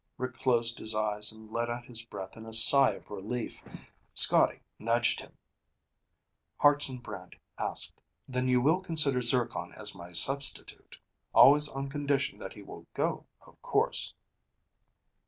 Rick closed his eyes and let out his breath in a sigh of relief. Scotty nudged him. Hartson Brant asked, "Then you will consider Zircon as my substitute? Always on condition that he will go, of course."